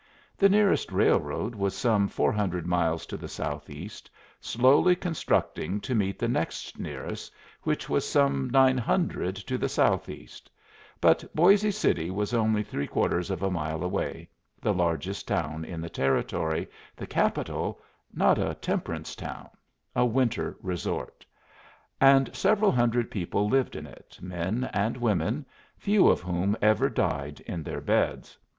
The nearest railroad was some four hundred miles to the southeast, slowly constructing to meet the next nearest, which was some nine hundred to the southeast; but Boisé City was only three quarters of a mile away, the largest town in the Territory, the capital, not a temperance town, a winter resort; and several hundred people lived in it, men and women, few of whom ever died in their beds.